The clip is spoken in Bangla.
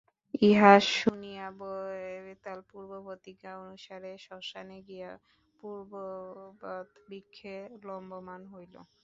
ইহা শুনিয়া বেতাল পূর্বপ্রতিজ্ঞা অনুসারে শ্মশানে গিয়া পূর্ববৎ বৃক্ষে লম্বমান হইল।